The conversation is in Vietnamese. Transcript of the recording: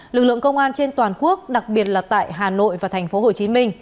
lực lượng công an trên toàn quốc đặc biệt là tại hà nội và tp hcm